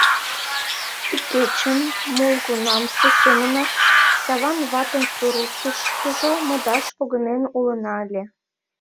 Ик кечын, молгунамсе семынак, Саван ватын суртышкыжо модаш погынен улына ыле.